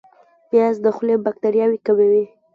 پیاز د خولې باکتریاوې کموي